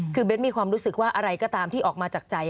คือเบ้นมีความรู้สึกว่าอะไรก็ตามที่ออกมาจากใจ